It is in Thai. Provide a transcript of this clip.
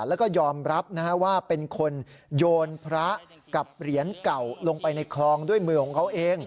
แล้วก็ยอมรับว่าเป็นคนโยนพระกับเหรียญเก่าลงไปในคลองด้วยมือของเขาเอง